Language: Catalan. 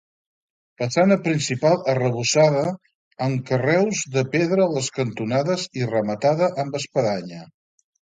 Façana principal arrebossada, amb carreus de pedra a les cantonades i rematada amb espadanya.